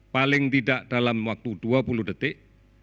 paling tidak dalam waktu dua puluh detik